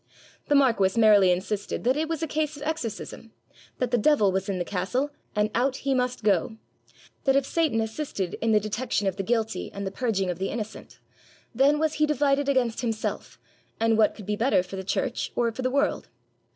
The marquis merrily insisted that it was a case of exorcism; that the devil was in the castle, and out he must go; that if Satan assisted in the detection of the guilty and the purging of the innocent, then was he divided against himself, and what could be better for the church or the world?